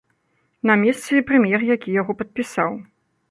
На месцы і прэм'ер, які яго падпісаў.